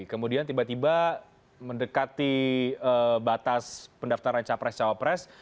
kemudian tiba tiba mendekati batas pendaftaran capres cawapres